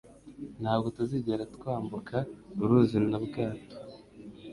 Ntabwo tuzigera twambuka uruzi nta bwato.